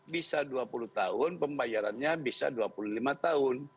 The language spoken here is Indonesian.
bisa dua puluh tahun pembayarannya bisa dua puluh lima tahun